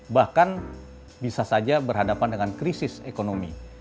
bahkan bisa saja berhadapan dengan krisis ekonomi